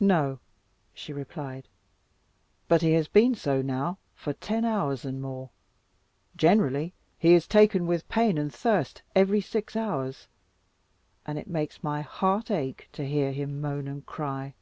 "No," she replied, "but he has been so now for ten hours and more: generally he is taken with pain and thirst, every six hours; and it makes my heart ache to hear him moan and cry."